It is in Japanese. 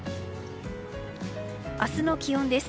明日の気温です。